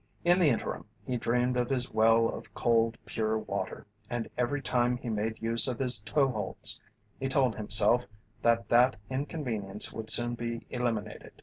In the interim he dreamed of his well of cold, pure water, and every time he made use of his "toe holts" he told himself that that inconvenience would soon be eliminated.